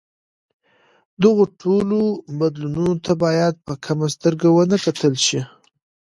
دغو ټولو بدلونونو ته باید په کمه سترګه ونه کتل شي.